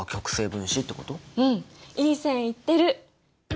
うんいい線いってる！